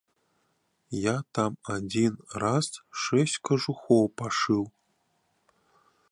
Я там адзін раз шэсць кажухоў пашыў.